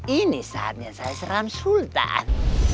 ini saatnya saya seram sultan